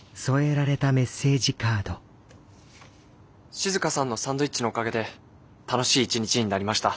「静さんのサンドイッチのおかげで楽しい一日になりました。